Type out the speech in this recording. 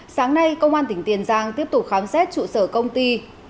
sáng nay công an tỉnh tiền giang tiếp tục khám xét trụ sở công ty